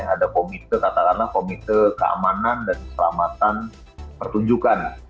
ada komite katakanlah komite keamanan dan keselamatan pertunjukan